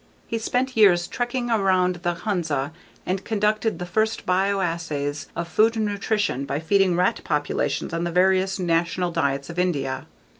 He spent years "trekking around the Hunza and conducted the first bioassays of food nutrition by feeding rat populations on the various national diets of India.